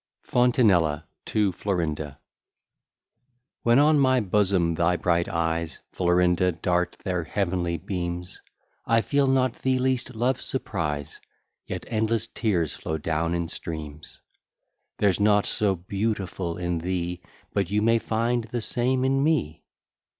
FONTINELLA TO FLORINDA When on my bosom thy bright eyes, Florinda, dart their heavenly beams, I feel not the least love surprise, Yet endless tears flow down in streams; There's nought so beautiful in thee, But you may find the same in me.